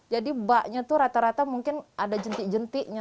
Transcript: jadi baknya itu rata rata mungkin ada jentik jentiknya